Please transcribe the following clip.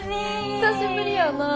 久しぶりやなぁ。